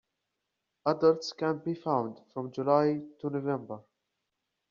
Adults can be found from July to November.